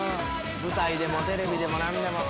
舞台でもテレビでも何でも。